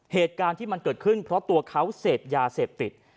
เหตุการณ์ที่มันเกิดขึ้นเพราะตัวเขาเสพยาเสพติด